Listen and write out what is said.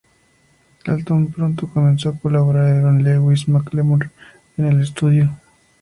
Dalton pronto comenzó a colaborar con Lewis y Macklemore en el estudio.